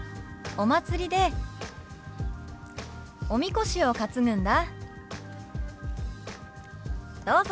「お祭りでおみこしを担ぐんだ」。